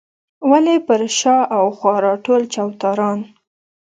ولې پر شا او خوا راټول چوتاران.